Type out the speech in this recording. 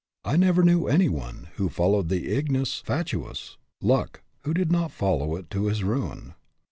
I never knew any one who followed the ignis fatuus, luck who did not follow it to his ruin.